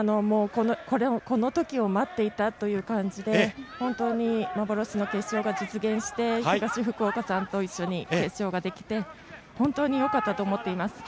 ◆この時を待っていたという感じで、本当に幻の決勝が実現して、東福岡さんと一緒に決勝ができて、本当によかったと思っています。